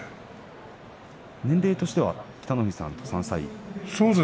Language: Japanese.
年齢としては北の富士さんと３歳差。